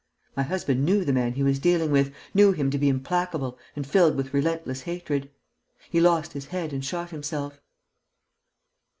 My husband knew the man he was dealing with, knew him to be implacable and filled with relentless hatred. He lost his head and shot himself."